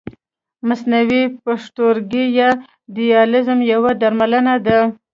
مصنوعي پښتورګی یا دیالیز یوه درملنه ده.